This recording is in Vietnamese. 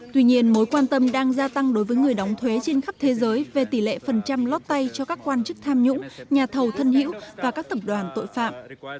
tuy nhiên mối quan tâm đang gia tăng đối với người đóng thuế trên khắp thế giới về tỷ lệ phần trăm lót tay cho các quan chức tham nhũng nhà thầu thân hữu và các tập đoàn tội phạm